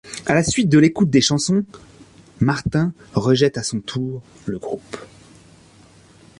À la suite de l'écoute des chansons, Martin rejette à son tour le groupe.